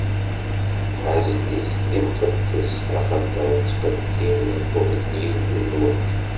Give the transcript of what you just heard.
Ɛezl-it d imqeddes, axaṭer ittqeddim lqut n Yillu-nwen.